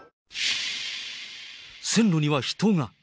線路には人が。